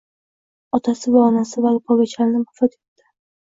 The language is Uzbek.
otasi va onasi vaboga chalinib vafot etdi